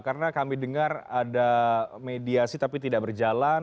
karena kami dengar ada mediasi tapi tidak berjalan